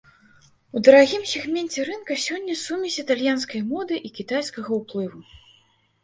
У дарагім сегменце рынка сёння сумесь італьянскай моды і кітайскага ўплыву.